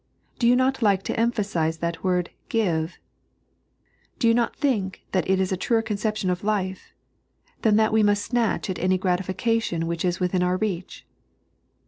Do you not like to emphasize that word give ? JDo you not think that is a truer concep tion of life than that we must snatch at any gratification which is within our reach